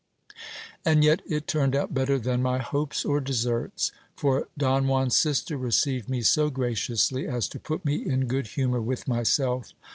And yet it turned out better than my hopes or deserts ; for Don Juan's sister received me so graciously, as to put me in good humour with myself.